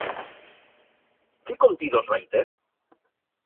Que contidos vai ter?